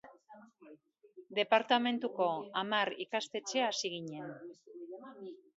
Departamenduko hamar ikastetxe hasi ginen.